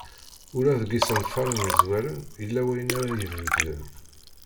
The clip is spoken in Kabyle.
Ula deg isenfaren yezwaren yella wayen ara ibeddlen.